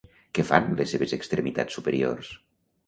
Què fan les seves extremitats superiors?